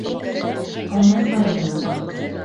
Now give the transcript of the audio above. Алмаҫҡа ине уға!